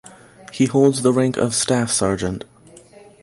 He holds the rank of Staff Sergeant.